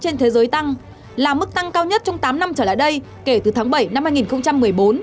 giá xăng dầu trên thế giới tăng là mức tăng cao nhất trong tám năm trở lại đây kể từ tháng bảy năm hai nghìn một mươi bốn